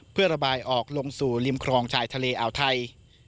เพื่อระบายออกลงสู่ริมครองชายทะเลอ่าวไทย